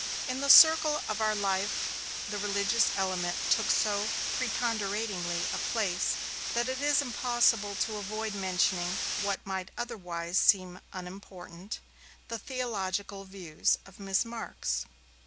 In the circle of our life the religious element took so preponderating a place, that it is impossible to avoid mentioning, what might otherwise seem unimportant, the theological views of Miss Marks.